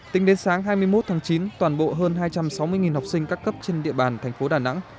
tính đến sáng hai mươi một tháng chín toàn bộ hơn hai trăm sáu mươi học sinh các cấp trên địa bàn thành phố đà nẵng